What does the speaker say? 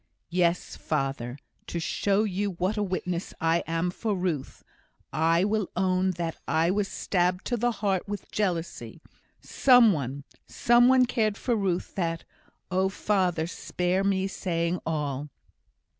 Yes, father, to show you what a witness I am for Ruth, I will own that I was stabbed to the heart with jealousy; some one some one cared for Ruth that oh, father! spare me saying all."